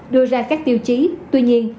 đưa ra các tiêu chí tuy nhiên